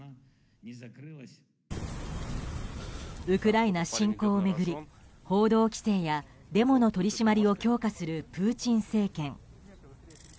ウクライナ侵攻を巡り報道規制やデモの取り締まりを強化するプーチン政権。